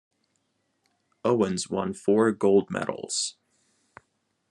Owens won four gold medals.